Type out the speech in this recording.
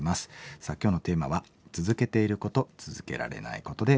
さあ今日のテーマは「続けていること続けられないこと」でお送りしています。